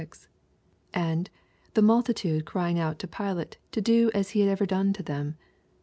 and " the multitude crying out to Pilate to do as he had ever done to them."